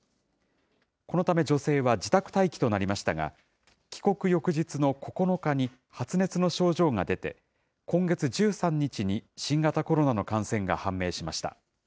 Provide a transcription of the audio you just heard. このため、女性は自宅待機となりましたが、帰国翌日の９日に発熱の症状が出て、今月１３日に新型コロナの感染が判明しました。